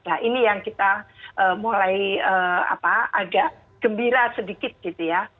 nah ini yang kita mulai agak gembira sedikit gitu ya